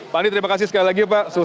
pak andi terima kasih sekali lagi pak